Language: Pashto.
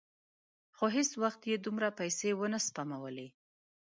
خو هېڅ وخت یې دومره پیسې ونه سپمولې.